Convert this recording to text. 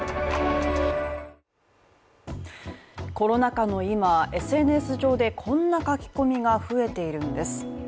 コロナ禍の今、ＳＮＳ上でこんな書き込みが増えているんです。